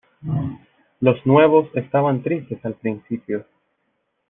los nuevos estaban tristes al principio.